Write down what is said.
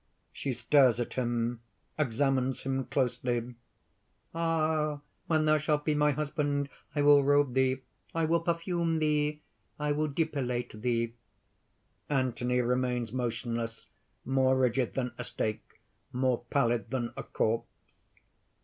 (She stares at him, examines him closely.) "Ah, when thou shalt be my husband, I will robe thee, I will perfume thee, I will depilate thee." (_Anthony remains motionless, more rigid than a stake, more pallid than a corpse.